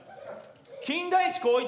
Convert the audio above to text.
金田一光一。